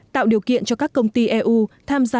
tạo điều kiện cho các công ty eu tham gia